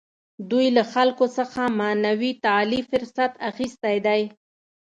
دوی له خلکو څخه معنوي تعالي فرصت اخیستی دی.